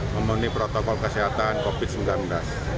memenuhi protokol kesehatan covid sembilan belas